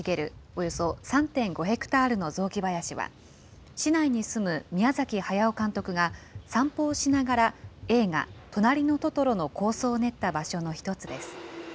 およそ３．５ヘクタールの雑木林は、市内に住む宮崎駿監督が散歩をしながら、映画、となりのトトロの構想を練った場所の一つです。